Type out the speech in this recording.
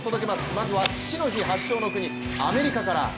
まずは父の日発祥の国アメリカから。